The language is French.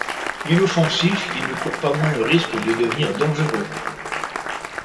Inoffensif, il n'en court pas moins le risque de devenir dangereux.